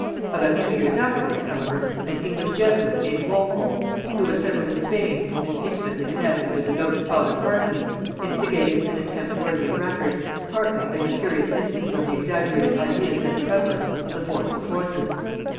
About two years afterwards, however, an English Jesuit named Walpole, who was settled in Spain and intimately connected with the noted father Parsons, instigated an attempt worthy of record, partly as a curious instance of the exaggerated ideas then prevalent of the force of poisons.